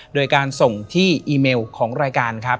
โดยการส่งที่อีเมลของรายการครับ